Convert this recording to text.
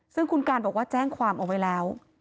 ซึ่งคุณการบอกว่าแจ้งความเอาไว้แล้ว